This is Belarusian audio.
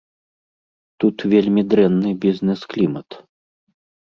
Тут вельмі дрэнны бізнэс-клімат.